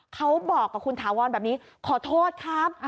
เขาบอกกับคุณถาวรแบบนี้ขอโทษครับ